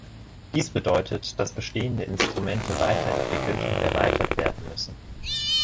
Dies bedeutet, dass bestehende Instrumente weiterentwickelt und erweitert werden müssen.